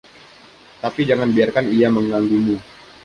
Tapi jangan biarkan ia mengganggumu.